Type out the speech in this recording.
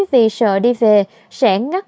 vì sợ đi về sẻ ngắt